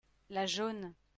la jaune.